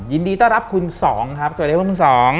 ยินดีต้อนรับคุณสองครับสวัสดีครับคุณสอง